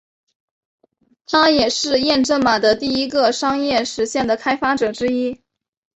他也是验证码的第一个商业实现的开发者之一。